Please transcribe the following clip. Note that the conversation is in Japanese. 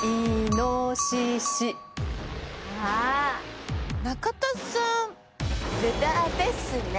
あ中田さんブタですね。